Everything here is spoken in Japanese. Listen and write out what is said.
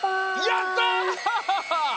やった！